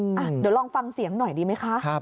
เดี๋ยวลองฟังเสียงหน่อยดีไหมคะ